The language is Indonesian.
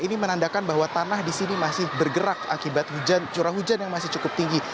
ini menandakan bahwa tanah di sini masih bergerak akibat curah hujan yang masih cukup tinggi